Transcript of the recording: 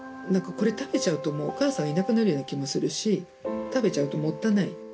なんか、これ食べちゃうともう、お母さんいなくなるような気もするし食べちゃうともったいない。